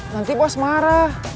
nanti bos marah